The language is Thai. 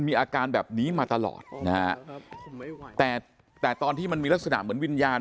มีอาการแบบนี้มาตลอดนะฮะแต่แต่ตอนที่มันมีลักษณะเหมือนวิญญาณ